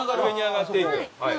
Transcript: はい。